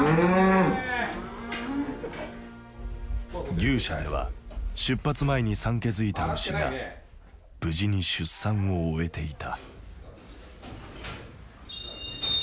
牛舎では出発前に産気づいた牛が無事に出産を終えていた。